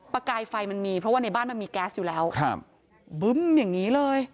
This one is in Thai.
กายไฟมันมีเพราะว่าในบ้านมันมีแก๊สอยู่แล้วครับบึ้มอย่างนี้เลย